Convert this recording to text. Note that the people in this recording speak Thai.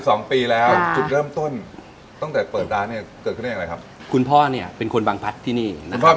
สวัสดีครับสวัสดีครับ